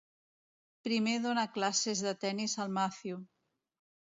Primer dona classes de tennis al Matthew.